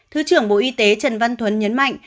thứ trưởng bộ y tế trần văn thuấn nhấn mạnh